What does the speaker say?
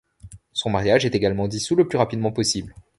Son mariage est également dissout le plus rapidement possible.